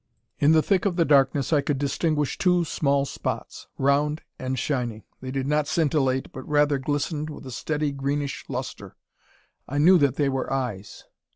In the thick of the darkness I could distinguish two small spots, round and shining. They did not scintillate, but rather glistened with a steady greenish lustre. I knew that they were eyes!